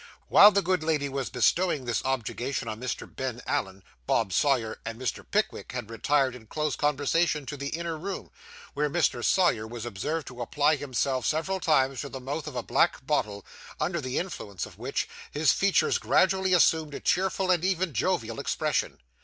While the good lady was bestowing this objurgation on Mr. Ben Allen, Bob Sawyer and Mr. Pickwick had retired in close conversation to the inner room, where Mr. Sawyer was observed to apply himself several times to the mouth of a black bottle, under the influence of which, his features gradually assumed a cheerful and even jovial expression.